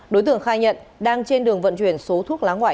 đối tượng khai nhận đang trên đường vận chuyển số thuốc lá ngoại